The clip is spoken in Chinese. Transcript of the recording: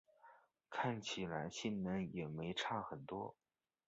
看起来性能也没差很多